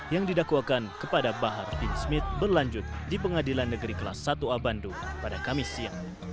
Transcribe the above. yang didakwakan kepada bahar bin smith berlanjut di pengadilan negeri kelas satu a bandung pada kamis siang